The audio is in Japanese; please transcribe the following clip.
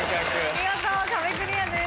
見事壁クリアです。